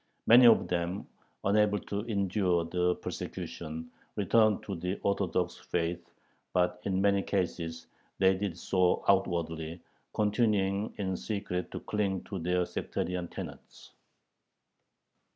Many of them, unable to endure the persecution, returned to the Orthodox faith, but in many cases they did so outwardly, continuing in secret to cling to their sectarian tenets.